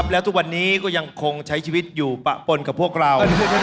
แล้วทุกวันนี้ก็ยังคงใช้ชีวิตอยู่ปะปนกับพวกเรา